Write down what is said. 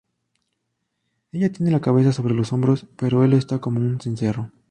Ella tiene la cabeza sobre los hombros pero él está como un cencerro